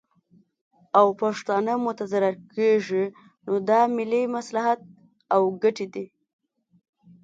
او پښتانه متضرر کیږي، نو دا ملي مصلحت او ګټې دي